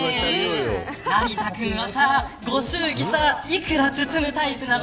成田君はご祝儀幾ら包むタイプなの。